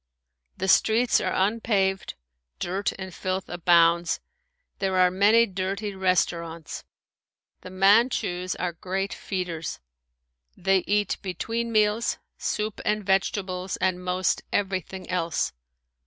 The streets are unpaved; dirt and filth abounds. There are many big dirty restaurants. The Manchus are great feeders. They eat between meals, soup and vegetables and most everything else.